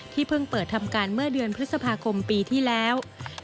เพิ่งเปิดทำการเมื่อเดือนพฤษภาคมปีที่แล้ว